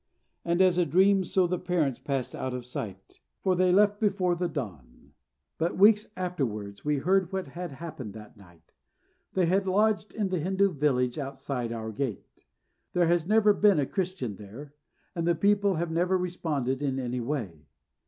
And as a dream so the parents passed out of sight, for they left before the dawn. But weeks afterwards we heard what had happened that night. They had lodged in the Hindu village outside our gate. There has never been a Christian there, and the people have never responded in any way.